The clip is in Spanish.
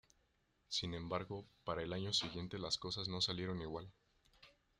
Sin embargo, para el año siguiente las cosas no salieron igual.